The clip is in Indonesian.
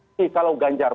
tapi kalau ganjar